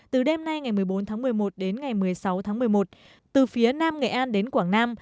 từ đêm nay ngày một mươi bốn tháng một mươi một đến ngày một mươi sáu tháng một mươi một từ phía nam nghệ an đến quảng nam